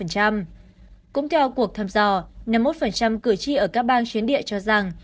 cũng theo cuộc thăm dò năm mươi một cử tri ở các bang chuyến địa cho rằng